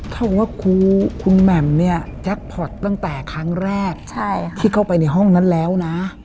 เขาว่าคุณแหม่มเนี้ยตั้งแต่ครั้งแรกใช่ที่เข้าไปในห้องนั้นแล้วนะ